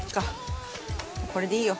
これでいいよ。